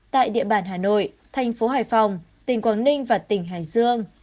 tại địa bàn hà nội thành phố hải phòng tỉnh quảng ninh và tỉnh hải dương